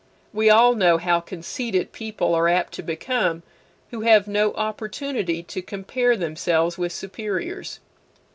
We all know how conceited people are apt to become who have no opportunity to compare themselves with superiors.